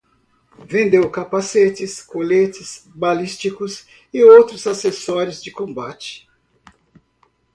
Vendeu capacetes, coletes balísticos e outros acessórios de combate